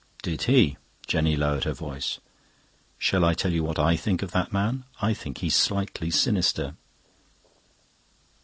"Did he?" Jenny lowered her voice. "Shall I tell you what I think of that man? I think he's slightly sinister."